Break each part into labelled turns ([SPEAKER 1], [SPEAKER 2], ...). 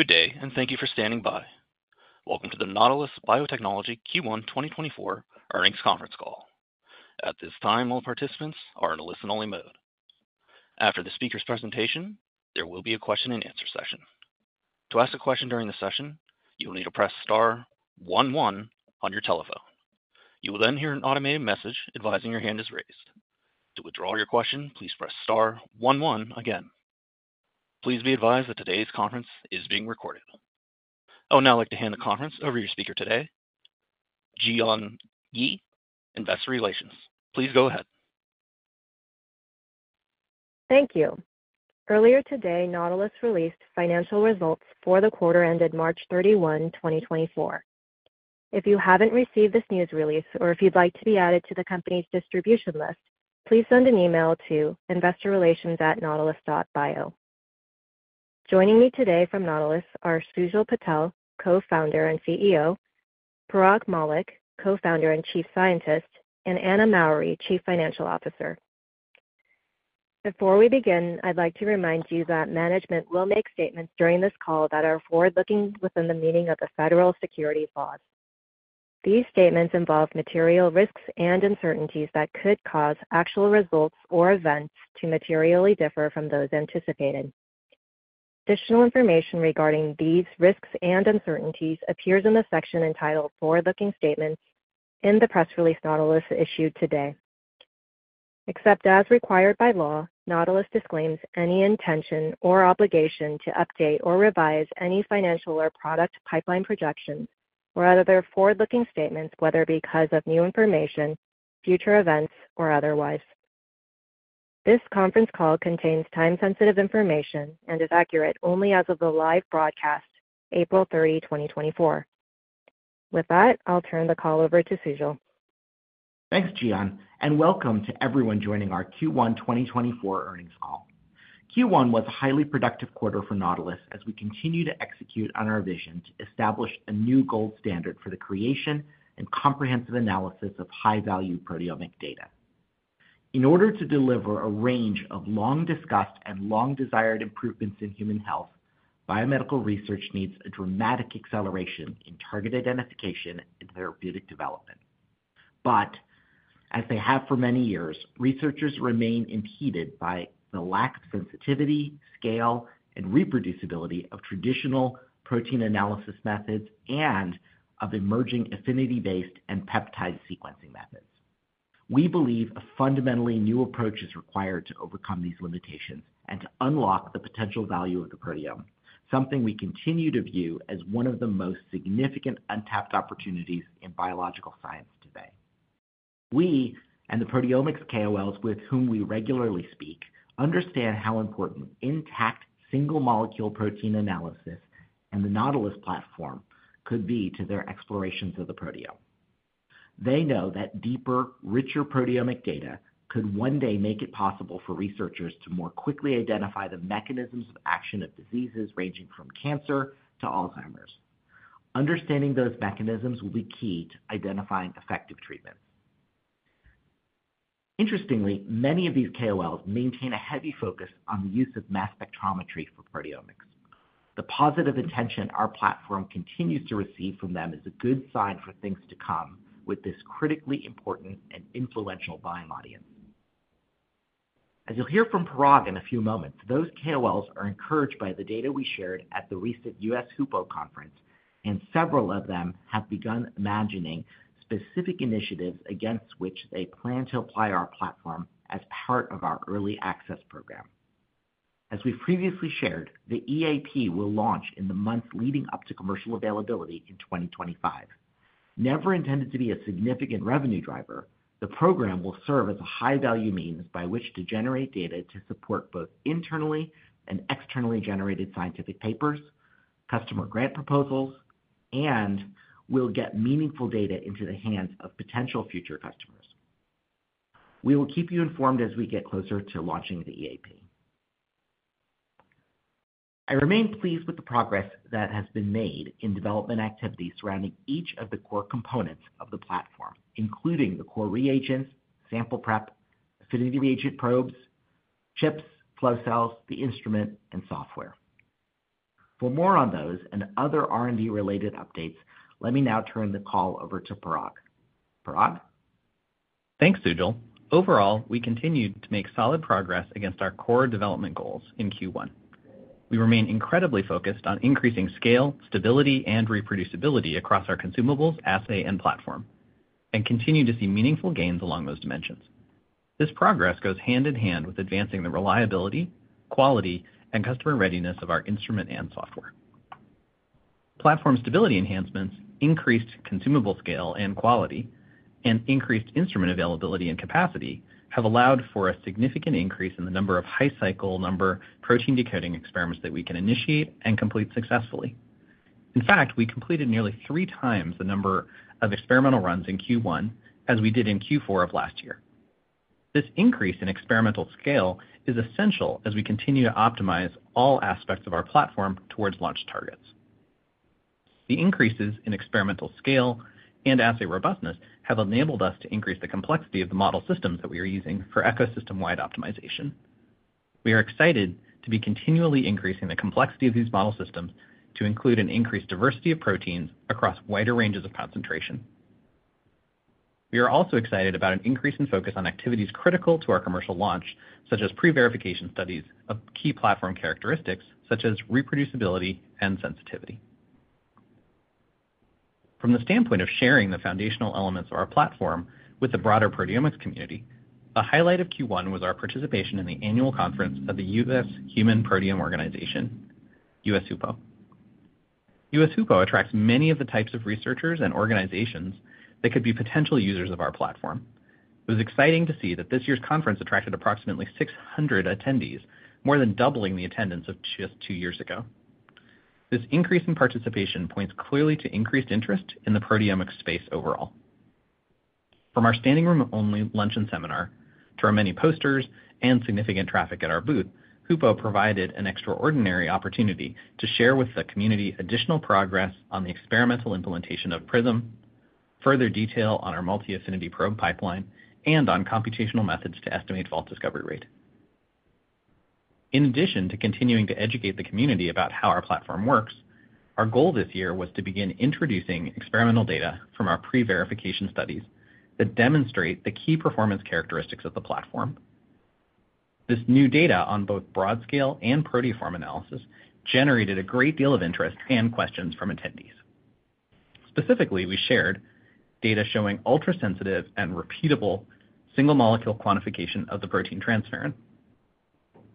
[SPEAKER 1] Good day, and thank you for standing by. Welcome to the Nautilus Biotechnology Q1 2024 Earnings Conference Call. At this time, all participants are in a listen-only mode. After the speaker's presentation, there will be a question-and-answer session. To ask a question during the session, you will need to press star one, one on your telephone. You will then hear an automated message advising your hand is raised. To withdraw your question, please press star one, one again. Please be advised that today's conference is being recorded. I would now like to hand the conference over to your speaker today, Ji-Yon Yi, Investor Relations. Please go ahead.
[SPEAKER 2] Thank you. Earlier today, Nautilus released financial results for the quarter ended March 31, 2024. If you haven't received this news release or if you'd like to be added to the company's distribution list, please send an email to investorrelations@nautilus.bio. Joining me today from Nautilus are Sujal Patel, Co-founder and CEO, Parag Mallick, Co-founder and Chief Scientist, and Anna Mowry, Chief Financial Officer. Before we begin, I'd like to remind you that management will make statements during this call that are forward-looking within the meaning of the federal securities laws. These statements involve material risks and uncertainties that could cause actual results or events to materially differ from those anticipated. Additional information regarding these risks and uncertainties appears in the section entitled Forward-Looking Statements in the press release Nautilus issued today. Except as required by law, Nautilus disclaims any intention or obligation to update or revise any financial or product pipeline projections or other forward-looking statements, whether because of new information, future events, or otherwise. This conference call contains time-sensitive information and is accurate only as of the live broadcast, April 30, 2024. With that, I'll turn the call over to Sujal.
[SPEAKER 3] Thanks, Ji-Yon, and welcome to everyone joining our Q1 2024 earnings call. Q1 was a highly productive quarter for Nautilus as we continue to execute on our vision to establish a new gold standard for the creation and comprehensive analysis of high-value proteomic data. In order to deliver a range of long-discussed and long-desired improvements in human health, biomedical research needs a dramatic acceleration in target identification and therapeutic development. But as they have for many years, researchers remain impeded by the lack of sensitivity, scale, and reproducibility of traditional protein analysis methods and of emerging affinity-based and peptide sequencing methods. We believe a fundamentally new approach is required to overcome these limitations and to unlock the potential value of the proteome, something we continue to view as one of the most significant untapped opportunities in biological science today. We and the proteomics KOLs, with whom we regularly speak, understand how important intact single-molecule protein analysis and the Nautilus platform could be to their explorations of the proteome. They know that deeper, richer proteomic data could one day make it possible for researchers to more quickly identify the mechanisms of action of diseases ranging from cancer to Alzheimer's. Understanding those mechanisms will be key to identifying effective treatments. Interestingly, many of these KOLs maintain a heavy focus on the use of mass spectrometry for proteomics. The positive attention our platform continues to receive from them is a good sign for things to come with this critically important and influential buying audience. As you'll hear from Parag in a few moments, those KOLs are encouraged by the data we shared at the recent US HUPO conference, and several of them have begun imagining specific initiatives against which they plan to apply our platform as part of our early access program. As we previously shared, the EAP will launch in the months leading up to commercial availability in 2025. Never intended to be a significant revenue driver, the program will serve as a high-value means by which to generate data to support both internally and externally generated scientific papers, customer grant proposals, and will get meaningful data into the hands of potential future customers. We will keep you informed as we get closer to launching the EAP. I remain pleased with the progress that has been made in development activities surrounding each of the core components of the platform, including the core reagents, sample prep, affinity reagent probes, chips, flow cells, the instrument, and software. For more on those and other R&D-related updates, let me now turn the call over to Parag. Parag?
[SPEAKER 4] Thanks, Sujal. Overall, we continued to make solid progress against our core development goals in Q1. We remain incredibly focused on increasing scale, stability, and reproducibility across our consumables, assay, and platform, and continue to see meaningful gains along those dimensions. This progress goes hand in hand with advancing the reliability, quality, and customer readiness of our instrument and software. Platform stability enhancements, increased consumable scale and quality, and increased instrument availability and capacity have allowed for a significant increase in the number of high cycle number protein decoding experiments that we can initiate and complete successfully. In fact, we completed nearly three times the number of experimental runs in Q1 as we did in Q4 of last year. This increase in experimental scale is essential as we continue to optimize all aspects of our platform towards launch targets.... The increases in experimental scale and assay robustness have enabled us to increase the complexity of the model systems that we are using for ecosystem-wide optimization. We are excited to be continually increasing the complexity of these model systems to include an increased diversity of proteins across wider ranges of concentration. We are also excited about an increase in focus on activities critical to our commercial launch, such as pre-verification studies of key platform characteristics, such as reproducibility and sensitivity. From the standpoint of sharing the foundational elements of our platform with the broader proteomics community, a highlight of Q1 was our participation in the annual conference of the US Human Proteome Organization, US HUPO. US HUPO attracts many of the types of researchers and organizations that could be potential users of our platform. It was exciting to see that this year's conference attracted approximately 600 attendees, more than doubling the attendance of just two years ago. This increase in participation points clearly to increased interest in the proteomics space overall. From our standing room only lunch and seminar, to our many posters and significant traffic at our booth, HUPO provided an extraordinary opportunity to share with the community additional progress on the experimental implementation of PrISM, further detail on our multi-affinity probe pipeline, and on computational methods to estimate false discovery rate. In addition to continuing to educate the community about how our platform works, our goal this year was to begin introducing experimental data from our pre-verification studies that demonstrate the key performance characteristics of the platform. This new data on both broad scale and proteoform analysis generated a great deal of interest and questions from attendees. Specifically, we shared data showing ultrasensitive and repeatable single-molecule quantification of the protein transferrin.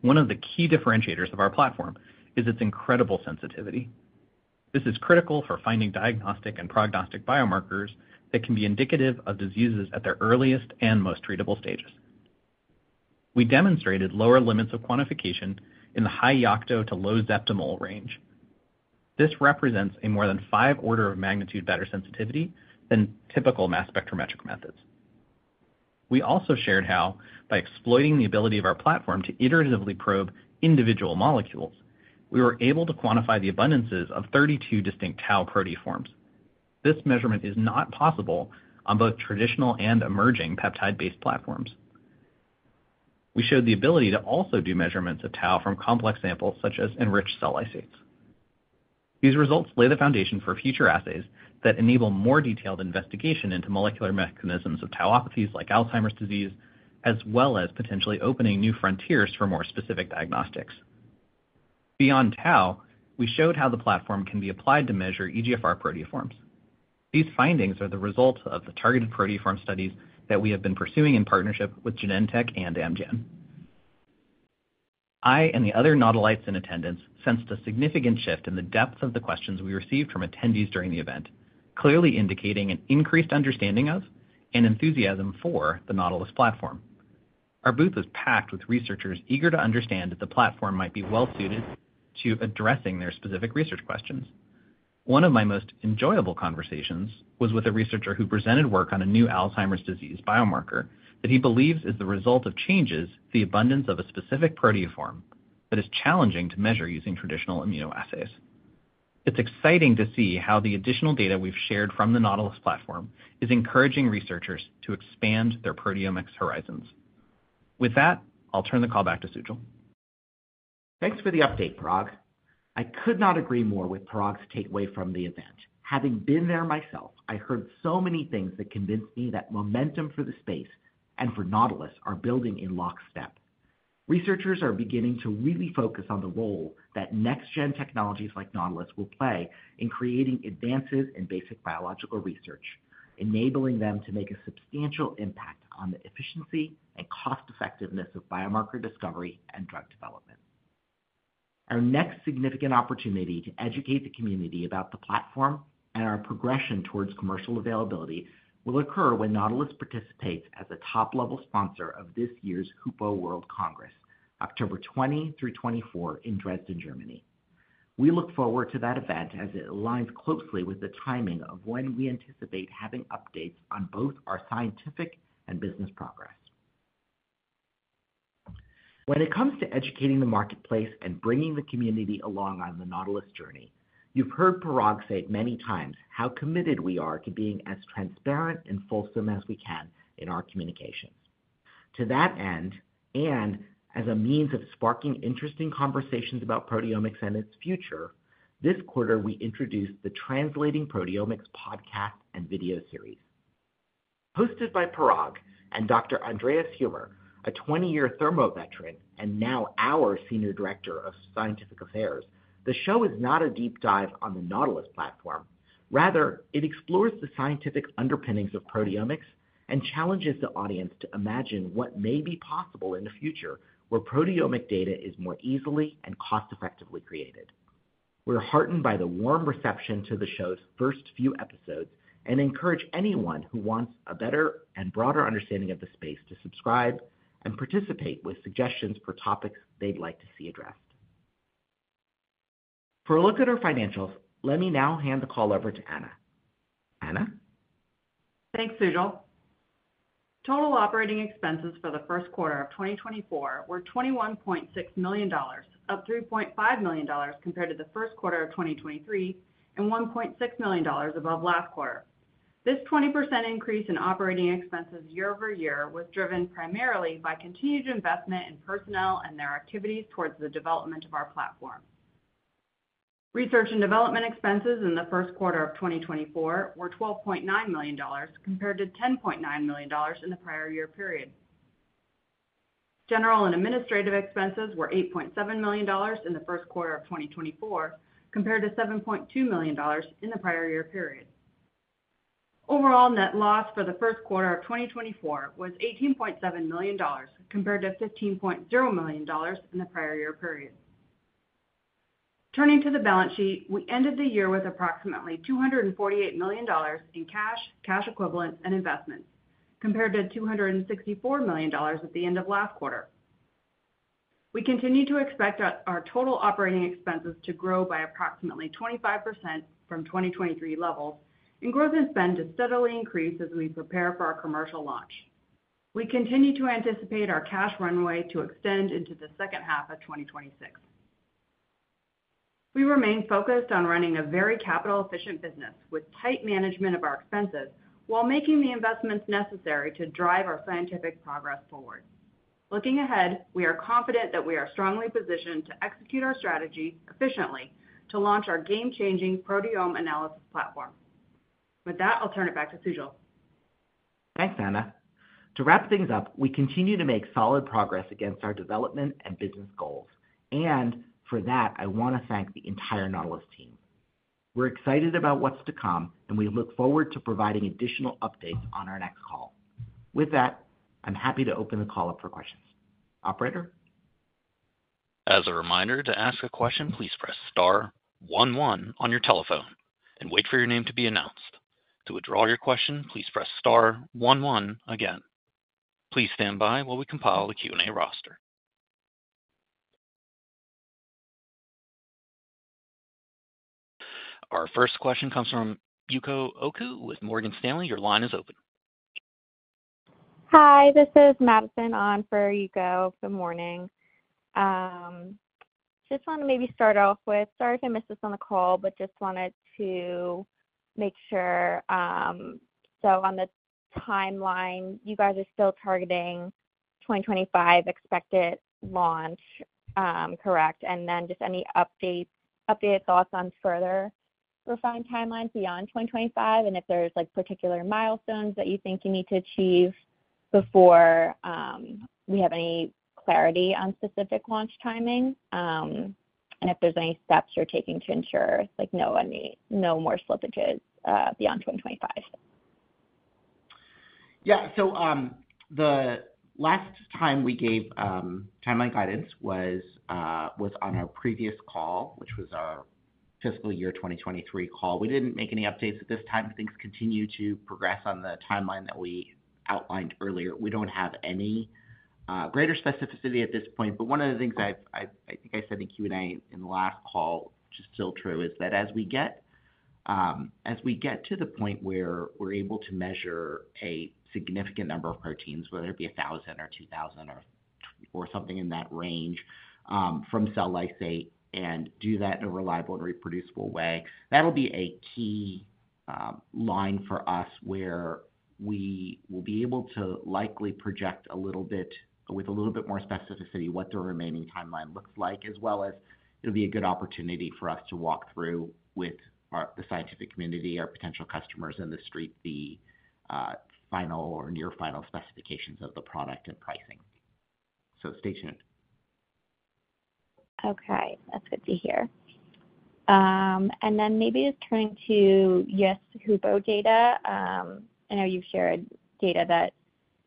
[SPEAKER 4] One of the key differentiators of our platform is its incredible sensitivity. This is critical for finding diagnostic and prognostic biomarkers that can be indicative of diseases at their earliest and most treatable stages. We demonstrated lower limits of quantification in the high-yoctomole to low-zeptomole range. This represents a more than five orders of magnitude better sensitivity than typical mass spectrometric methods. We also shared how, by exploiting the ability of our platform to iteratively probe individual molecules, we were able to quantify the abundances of 32 distinct tau proteoforms. This measurement is not possible on both traditional and emerging peptide-based platforms. We showed the ability to also do measurements of tau from complex samples, such as enriched cell lysates. These results lay the foundation for future assays that enable more detailed investigation into molecular mechanisms of tauopathies like Alzheimer's disease, as well as potentially opening new frontiers for more specific diagnostics. Beyond tau, we showed how the platform can be applied to measure EGFR proteoforms. These findings are the result of the targeted proteoform studies that we have been pursuing in partnership with Genentech and Amgen. I and the other Nautilus in attendance sensed a significant shift in the depth of the questions we received from attendees during the event, clearly indicating an increased understanding of and enthusiasm for the Nautilus platform. Our booth was packed with researchers eager to understand that the platform might be well suited to addressing their specific research questions. One of my most enjoyable conversations was with a researcher who presented work on a new Alzheimer's disease biomarker that he believes is the result of changes the abundance of a specific proteoform that is challenging to measure using traditional immunoassays. It's exciting to see how the additional data we've shared from the Nautilus platform is encouraging researchers to expand their proteomics horizons. With that, I'll turn the call back to Sujal.
[SPEAKER 3] Thanks for the update, Parag. I could not agree more with Parag's takeaway from the event. Having been there myself, I heard so many things that convinced me that momentum for the space and for Nautilus are building in lockstep. Researchers are beginning to really focus on the role that next gen technologies like Nautilus will play in creating advances in basic biological research, enabling them to make a substantial impact on the efficiency and cost effectiveness of biomarker discovery and drug development. Our next significant opportunity to educate the community about the platform and our progression towards commercial availability will occur when Nautilus participates as a top-level sponsor of this year's HUPO World Congress, October 20 through 24 in Dresden, Germany. We look forward to that event as it aligns closely with the timing of when we anticipate having updates on both our scientific and business progress. When it comes to educating the marketplace and bringing the community along on the Nautilus journey, you've heard Parag say many times how committed we are to being as transparent and fulsome as we can in our communications. To that end, and as a means of sparking interesting conversations about proteomics and its future, this quarter, we introduced the Translating Proteomics podcast and video series. Hosted by Parag and Dr. Andreas Huhmer, a 20-year Thermo veteran and now our Senior Director of Scientific Affairs, the show is not a deep dive on the Nautilus platform. Rather, it explores the scientific underpinnings of proteomics and challenges the audience to imagine what may be possible in a future where proteomic data is more easily and cost-effectively created. We're heartened by the warm reception to the show's first few episodes and encourage anyone who wants a better and broader understanding of the space to subscribe and participate with suggestions for topics they'd like to see addressed. For a look at our financials, let me now hand the call over to Anna. Anna?
[SPEAKER 5] Thanks, Sujal. ...Total operating expenses for the first quarter of 2024 were $21.6 million, up $3.5 million compared to the first quarter of 2023, and $1.6 million above last quarter. This 20% increase in operating expenses year over year was driven primarily by continued investment in personnel and their activities towards the development of our platform. Research and development expenses in the first quarter of 2024 were $12.9 million, compared to $10.9 million in the prior year period. General and administrative expenses were $8.7 million in the first quarter of 2024, compared to $7.2 million in the prior year period. Overall net loss for the first quarter of 2024 was $18.7 million, compared to $15.0 million in the prior year period. Turning to the balance sheet, we ended the year with approximately $248 million in cash, cash equivalents, and investments, compared to $264 million at the end of last quarter. We continue to expect our total operating expenses to grow by approximately 25% from 2023 levels and gross in spend to steadily increase as we prepare for our commercial launch. We continue to anticipate our cash runway to extend into the second half of 2026. We remain focused on running a very capital-efficient business with tight management of our expenses, while making the investments necessary to drive our scientific progress forward. Looking ahead, we are confident that we are strongly positioned to execute our strategy efficiently to launch our game-changing proteome analysis platform. With that, I'll turn it back to Sujal.
[SPEAKER 3] Thanks, Anna. To wrap things up, we continue to make solid progress against our development and business goals, and for that, I want to thank the entire Nautilus team. We're excited about what's to come, and we look forward to providing additional updates on our next call. With that, I'm happy to open the call up for questions. Operator?
[SPEAKER 1] As a reminder, to ask a question, please press star one one on your telephone and wait for your name to be announced. To withdraw your question, please press star one one again. Please stand by while we compile the Q&A roster. Our first question comes from Yuko Oku with Morgan Stanley. Your line is open.
[SPEAKER 6] Hi, this is Madison on for Yuko. Good morning. Just wanted to maybe start off with, sorry if I missed this on the call, but just wanted to make sure, so on the timeline, you guys are still targeting 2025 expected launch, correct? And then just any updates, updated thoughts on further refined timelines beyond 2025, and if there's, like, particular milestones that you think you need to achieve before we have any clarity on specific launch timing, and if there's any steps you're taking to ensure, like, no, no more slippages beyond 2025.
[SPEAKER 3] Yeah. So, the last time we gave timeline guidance was on our previous call, which was our fiscal year 2023 call. We didn't make any updates at this time. Things continue to progress on the timeline that we outlined earlier. We don't have any greater specificity at this point, but one of the things I think I said in Q&A in the last call, which is still true, is that as we get to the point where we're able to measure a significant number of proteins, whether it be 1,000 or 2,000 or something in that range, from cell lysate and do that in a reliable and reproducible way, that'll be a key line for us where we will be able to likely project a little bit with a little bit more specificity what the remaining timeline looks like, as well as it'll be a good opportunity for us to walk through with the scientific community, our potential customers in the street, the final or near final specifications of the product and pricing. So stay tuned.
[SPEAKER 6] Okay, that's good to hear. And then maybe just turning to HUPO data. I know you've shared data that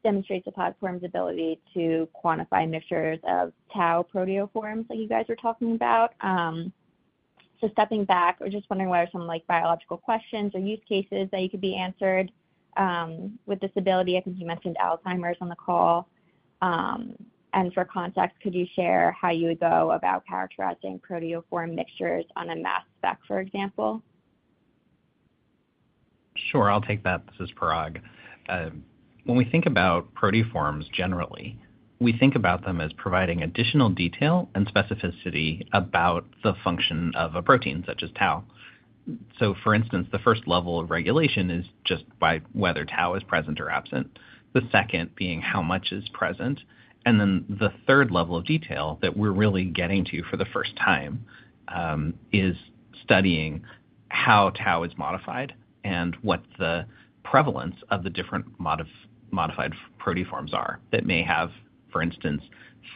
[SPEAKER 6] demonstrates the platform's ability to quantify mixtures of tau proteoforms that you guys were talking about. So stepping back, I was just wondering what are some, like, biological questions or use cases that you could be answered with this ability? I think you mentioned Alzheimer's on the call. And for context, could you share how you would go about characterizing proteoform mixtures on a mass spec, for example?
[SPEAKER 4] Sure. I'll take that. This is Parag. When we think about proteoforms, generally, we think about them as providing additional detail and specificity about the function of a protein, such as tau. So for instance, the first level of regulation is just by whether tau is present or absent, the second being how much is present, and then the third level of detail that we're really getting to for the first time is studying how tau is modified and what the prevalence of the different modified proteoforms are, that may have, for instance,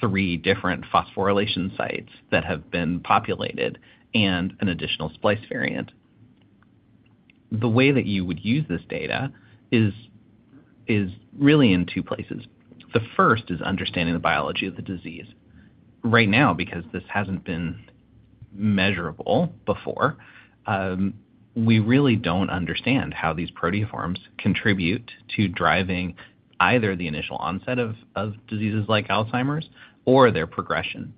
[SPEAKER 4] three different phosphorylation sites that have been populated and an additional splice variant. The way that you would use this data is really in two places. The first is understanding the biology of the disease. Right now, because this hasn't been measurable before, we really don't understand how these proteoforms contribute to driving either the initial onset of diseases like Alzheimer's or their progression....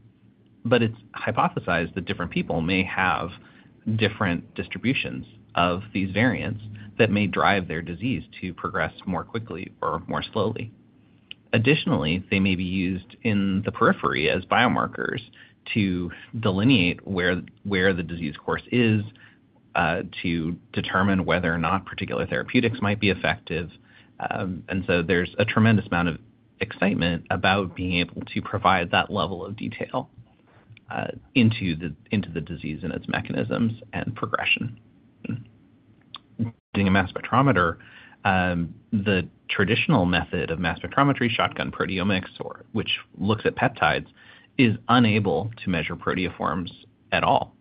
[SPEAKER 4] But it's hypothesized that different people may have different distributions of these variants that may drive their disease to progress more quickly or more slowly. Additionally, they may be used in the periphery as biomarkers to delineate where the disease course is to determine whether or not particular therapeutics might be effective. And so there's a tremendous amount of excitement about being able to provide that level of detail into the disease and its mechanisms and progression. Doing a mass spectrometer, the traditional method of mass spectrometry, shotgun proteomics, or which looks at peptides, is unable to measure proteoforms at all.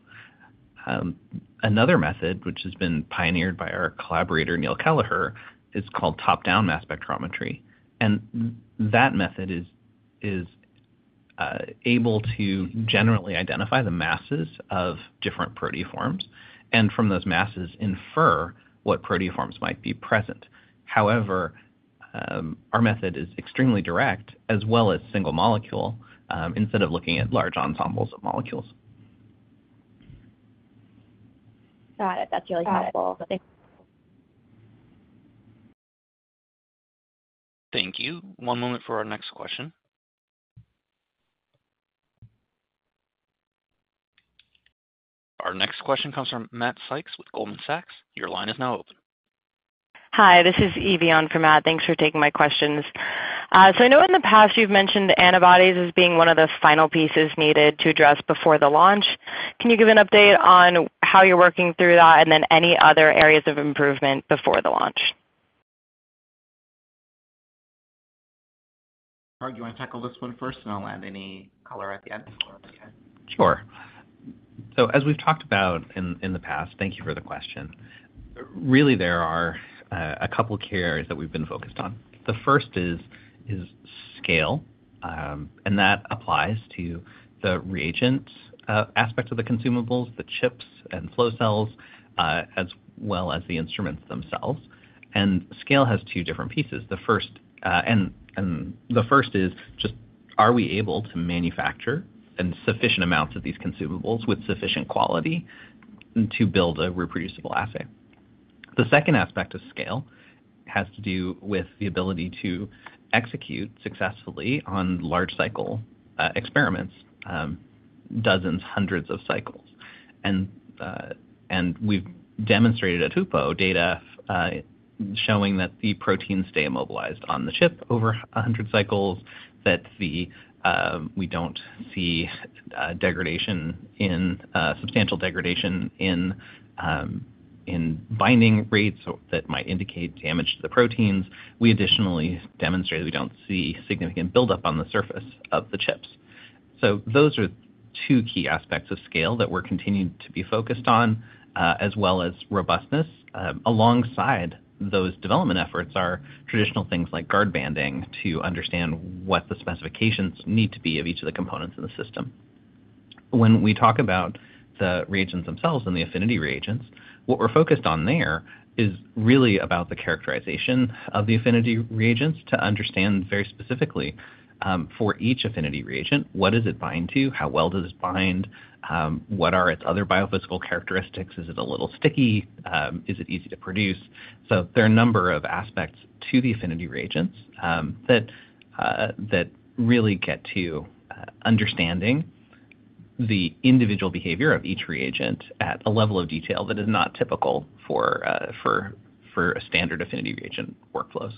[SPEAKER 4] Another method, which has been pioneered by our collaborator, Neil Kelleher, is called top-down mass spectrometry, and that method is able to generally identify the masses of different proteoforms, and from those masses, infer what proteoforms might be present. However, our method is extremely direct as well as single molecule, instead of looking at large ensembles of molecules.
[SPEAKER 6] Got it. That's really helpful. Thanks.
[SPEAKER 1] Thank you. One moment for our next question. Our next question comes from Matt Sykes with Goldman Sachs. Your line is now open.
[SPEAKER 7] Hi, this is Evie on for Matt. Thanks for taking my questions. So I know in the past you've mentioned antibodies as being one of the final pieces needed to address before the launch. Can you give an update on how you're working through that, and then any other areas of improvement before the launch?
[SPEAKER 3] Do you want to tackle this one first, and I'll add any color at the end?
[SPEAKER 4] Sure. So as we've talked about in the past, thank you for the question. Really, there are a couple of key areas that we've been focused on. The first is scale, and that applies to the reagents aspect of the consumables, the chips and flow cells, as well as the instruments themselves. And scale has two different pieces. The first is just, are we able to manufacture in sufficient amounts of these consumables with sufficient quality to build a reproducible assay? The second aspect of scale has to do with the ability to execute successfully on large cycle experiments, dozens, hundreds of cycles. We've demonstrated at HUPO data showing that the proteins stay immobilized on the chip over 100 cycles, that we don't see substantial degradation in binding rates that might indicate damage to the proteins. We additionally demonstrated we don't see significant buildup on the surface of the chips. So those are two key aspects of scale that we're continuing to be focused on, as well as robustness. Alongside those development efforts are traditional things like guard banding, to understand what the specifications need to be of each of the components in the system. When we talk about the reagents themselves and the affinity reagents, what we're focused on there is really about the characterization of the affinity reagents to understand very specifically, for each affinity reagent, what does it bind to? How well does it bind? What are its other biophysical characteristics? Is it a little sticky? Is it easy to produce? So there are a number of aspects to the affinity reagents that really get to understanding the individual behavior of each reagent at a level of detail that is not typical for a standard affinity reagent workflows.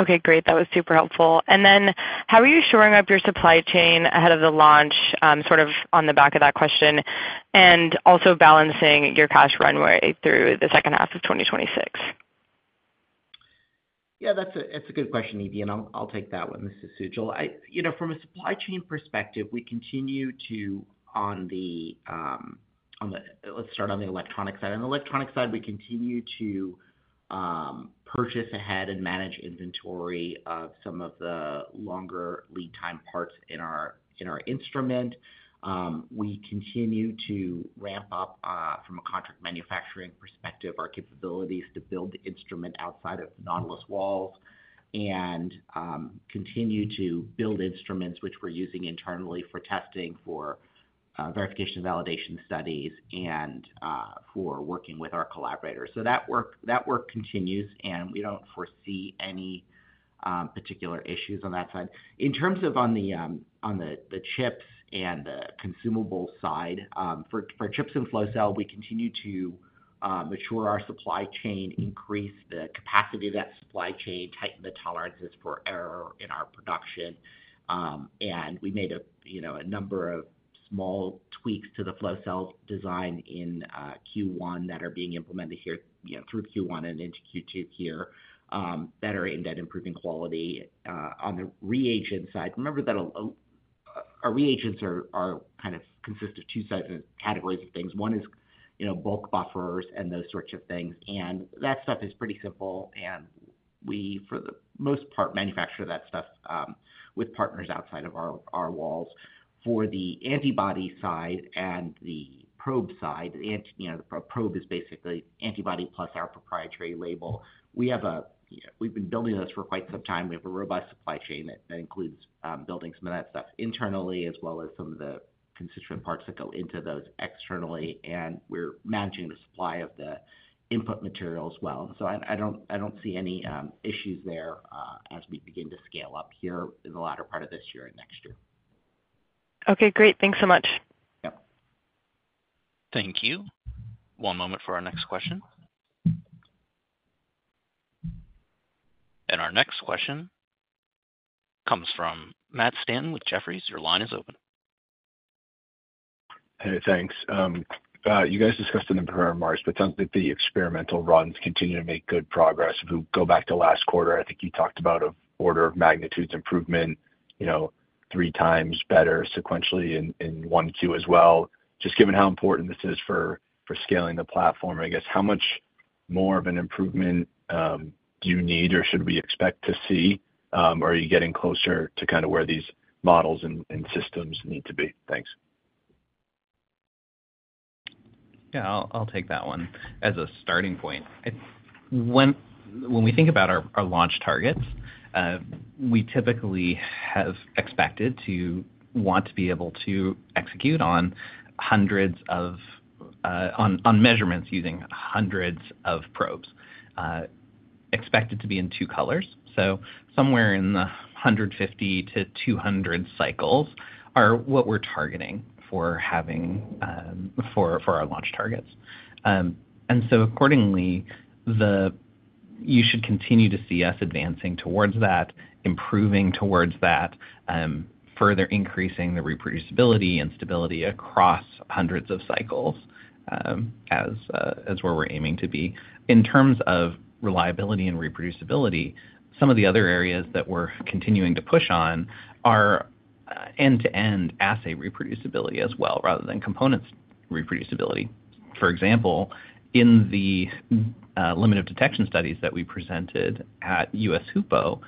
[SPEAKER 7] Okay, great. That was super helpful. Then how are you shoring up your supply chain ahead of the launch, sort of on the back of that question, and also balancing your cash runway through the second half of 2026?
[SPEAKER 3] Yeah, that's a good question, Evie, and I'll take that one. This is Sujal. You know, from a supply chain perspective, Let's start on the electronic side. On the electronic side, we continue to purchase ahead and manage inventory of some of the longer lead time parts in our instrument. We continue to ramp up from a contract manufacturing perspective, our capabilities to build the instrument outside of Nautilus walls and continue to build instruments which we're using internally for testing, for verification, validation studies, and for working with our collaborators. So that work continues, and we don't foresee any particular issues on that side. In terms of on the, the chips and the consumable side, for, for chips and flow cell, we continue to mature our supply chain, increase the capacity of that supply chain, tighten the tolerances for error in our production, and we made a, you know, a number of small tweaks to the flow cell design in Q1 that are being implemented here, you know, through Q1 and into Q2 here, that are aimed at improving quality. On the reagent side, remember that our reagents are kind of consist of two types of categories of things. One is, you know, bulk buffers and those sorts of things, and that stuff is pretty simple and we, for the most part, manufacture that stuff with partners outside of our walls. For the antibody side and the probe side, you know, the probe is basically antibody plus our proprietary label. We have a, we've been building this for quite some time. We have a robust supply chain that includes building some of that stuff internally as well as some of the constituent parts that go into those externally, and we're managing the supply of the input material as well. So I don't see any issues there as we begin to scale up here in the latter part of this year and next year.
[SPEAKER 7] Okay, great. Thanks so much.
[SPEAKER 3] Yep.
[SPEAKER 1] Thank you. One moment for our next question. Our next question comes from Matt Stanton with Jefferies. Your line is open.
[SPEAKER 8] Hey, thanks. You guys discussed it in prepared remarks, but it sounds like the experimental runs continue to make good progress. If we go back to last quarter, I think you talked about an order of magnitude's improvement, you know, three times better sequentially in one Q as well. Just given how important this is for scaling the platform, I guess, how much more of an improvement do you need or should we expect to see? Are you getting closer to kind of where these models and systems need to be? Thanks.
[SPEAKER 4] Yeah, I'll take that one. As a starting point, it's when we think about our launch targets, we typically have expected to want to be able to execute on hundreds of measurements using hundreds of probes, expected to be in two colors. So somewhere in the 150-200 cycles are what we're targeting for having, for our launch targets. And so accordingly, you should continue to see us advancing towards that, improving towards that, further increasing the reproducibility and stability across hundreds of cycles, as where we're aiming to be. In terms of reliability and reproducibility, some of the other areas that we're continuing to push on are end-to-end assay reproducibility as well, rather than components reproducibility. For example, in the limit of detection studies that we presented at US HUPO,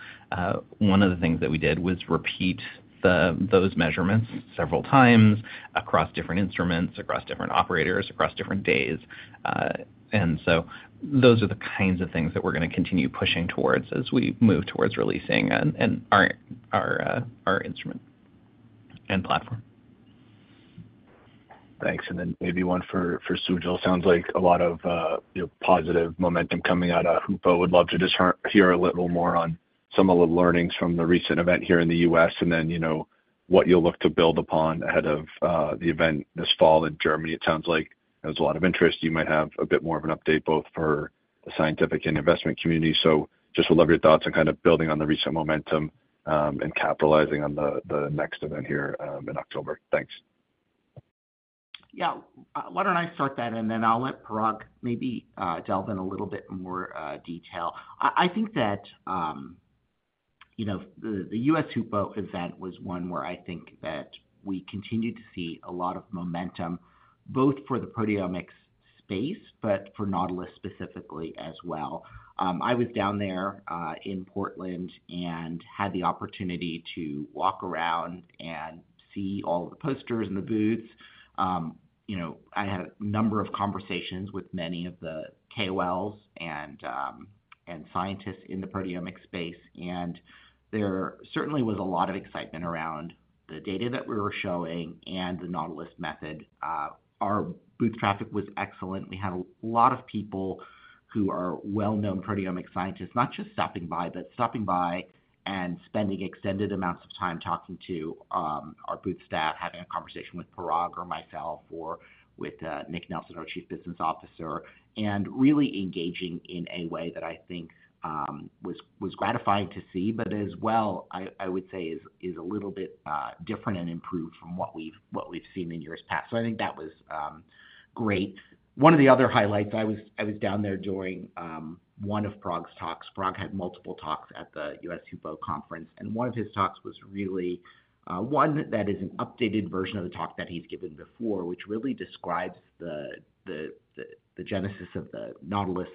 [SPEAKER 4] one of the things that we did was repeat those measurements several times across different instruments, across different operators, across different days. And so those are the kinds of things that we're going to continue pushing towards as we move towards releasing and our instrument and platform.
[SPEAKER 8] Thanks. Then maybe one for Sujal. Sounds like a lot of, you know, positive momentum coming out of HUPO. Would love to just hear a little more on some of the learnings from the recent event here in the U.S., and then, you know, what you'll look to build upon ahead of the event this fall in Germany. It sounds like there's a lot of interest. You might have a bit more of an update, both for the scientific and investment community. So just would love your thoughts on kind of building on the recent momentum, and capitalizing on the next event here in October. Thanks.
[SPEAKER 3] Yeah. Why don't I start that, and then I'll let Parag maybe delve in a little bit more detail. I think that, you know, the US HUPO event was one where I think that we continued to see a lot of momentum, both for the proteomics space, but for Nautilus specifically as well. I was down there in Portland and had the opportunity to walk around and see all the posters and the booths. You know, I had a number of conversations with many of the KOLs and scientists in the proteomics space, and there certainly was a lot of excitement around the data that we were showing and the Nautilus method. Our booth traffic was excellent. We had a lot of people who are well-known proteomic scientists, not just stopping by, but stopping by and spending extended amounts of time talking to, our booth staff, having a conversation with Parag or myself or with, Nick Nelson, our Chief Business Officer, and really engaging in a way that I think, was gratifying to see, but as well, I would say is a little bit, different and improved from what we've seen in years past. So I think that was great. One of the other highlights, I was down there during, one of Parag's talks. Parag had multiple talks at the US HUPO conference, and one of his talks was really one that is an updated version of the talk that he's given before, which really describes the genesis of the Nautilus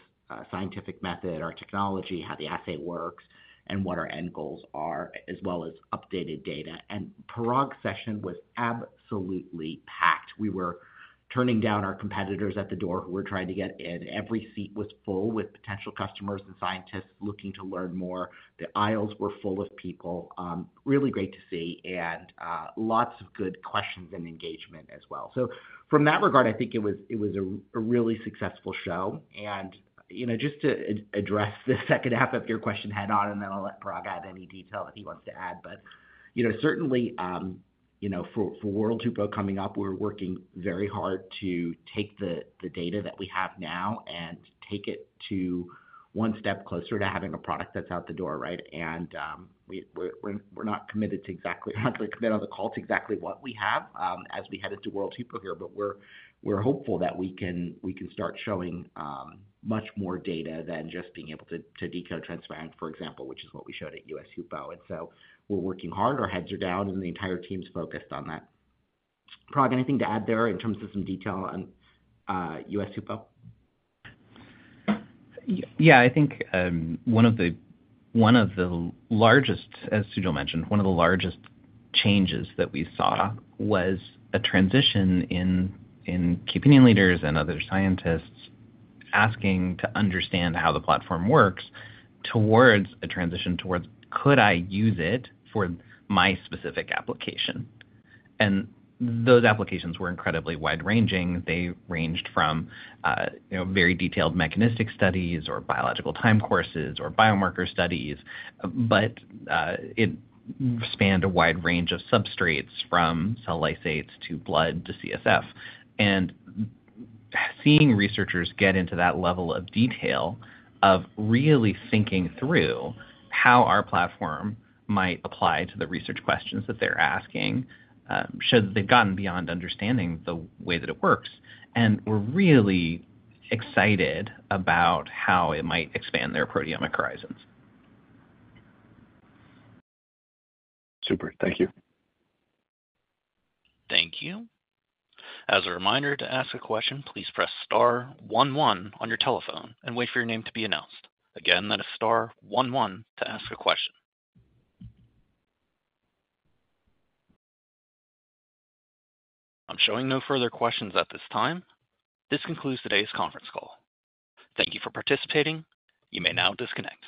[SPEAKER 3] scientific method, our technology, how the assay works, and what our end goals are, as well as updated data. And Parag's session was absolutely packed. We were turning down our competitors at the door who were trying to get in. Every seat was full with potential customers and scientists looking to learn more. The aisles were full of people. Really great to see, and lots of good questions and engagement as well. So from that regard, I think it was a really successful show. You know, just to address the second half of your question head-on, and then I'll let Parag add any detail that he wants to add. But, you know, certainly, you know, for World HUPO coming up, we're working very hard to take the data that we have now and take it to one step closer to having a product that's out the door, right? And, we're not to commit on the call to exactly what we have as we head into World HUPO here, but we're hopeful that we can start showing much more data than just being able to decode transferrin, for example, which is what we showed at US HUPO. And so we're working hard, our heads are down, and the entire team's focused on that. Parag, anything to add there in terms of some detail on US HUPO?
[SPEAKER 4] Yeah, I think one of the largest, as Sujal mentioned, one of the largest changes that we saw was a transition in KOLs and other scientists asking to understand how the platform works towards a transition towards, "Could I use it for my specific application?" And those applications were incredibly wide-ranging. They ranged from you know, very detailed mechanistic studies or biological time courses or biomarker studies, but it spanned a wide range of substrates, from cell lysates to blood to CSF. And seeing researchers get into that level of detail, of really thinking through how our platform might apply to the research questions that they're asking, should have gotten beyond understanding the way that it works. And we're really excited about how it might expand their proteomic horizons.
[SPEAKER 8] Super. Thank you.
[SPEAKER 1] Thank you. As a reminder to ask a question, please press star one one on your telephone and wait for your name to be announced. Again, that is star one one to ask a question. I'm showing no further questions at this time. This concludes today's conference call. Thank you for participating. You may now disconnect.